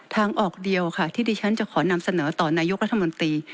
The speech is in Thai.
ทางออกเดียวค่ะที่ดิฉันจะขอนำเสนอต่อนายกรัฐมนตรี